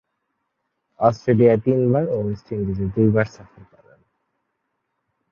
অস্ট্রেলিয়ায় তিনবার ও ওয়েস্ট ইন্ডিজে দুইবার সফর করেন।